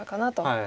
はい。